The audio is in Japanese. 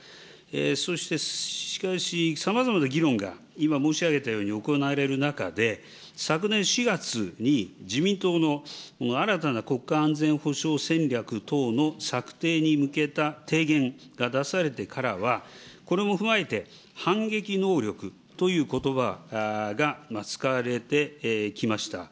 そして、しかしさまざまな議論が、今申し上げたように行われる中で、昨年４月に、自民党の新たな国家安全保障戦略等の策定に向けた提言が出されてからは、これも踏まえて、反撃能力ということばが使われてきました。